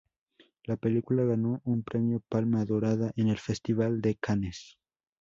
La película ganó un premio Palma Dorada en el Festival de Cannes.